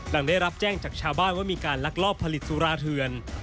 หลังได้รับแจ้งจากชาวบ้านว่ามีการลักลอบผลิตสุราเถือน